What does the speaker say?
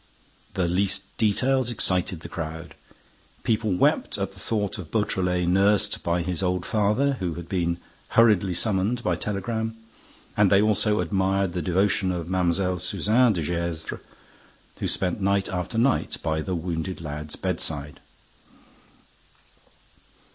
The least details excited the crowd. People wept at the thought of Beautrelet nursed by his old father, who had been hurriedly summoned by telegram, and they also admired the devotion of Mlle. Suzanne de Gesvres, who spent night after night by the wounded lad's bedside.